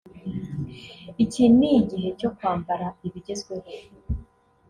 “Iki ni igihe cyo kwambara ibigezweho